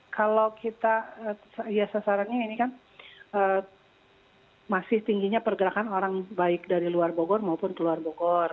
kalau kita ya sasarannya ini kan masih tingginya pergerakan orang baik dari luar bogor maupun keluar bogor